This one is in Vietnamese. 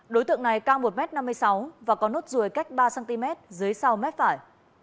đối tượng này cao một m năm mươi sáu và có nốt ruồi cách ba cm dưới sau mép phải